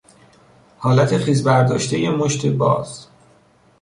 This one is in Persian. حالت خیز برداشتهی مشت باز